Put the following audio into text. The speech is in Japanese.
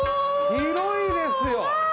広いですよ！